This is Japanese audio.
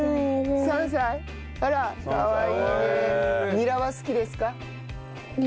ニラは好きですか？